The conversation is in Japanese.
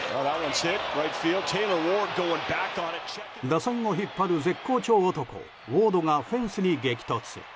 打線を引っ張る絶好調男ウォードがフェンスに激突。